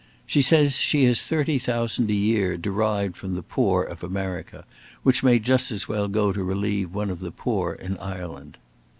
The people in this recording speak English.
She says she has thirty thousand a year derived from the poor of America, which may just as well go to relieve one of the poor in Ireland.